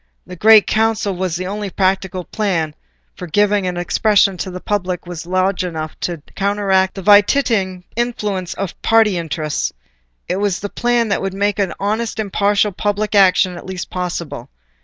The Great Council was the only practicable plan for giving an expression to the public will large enough to counteract the vitiating influence of party interests: it was a plan that would make honest impartial public action at least possible.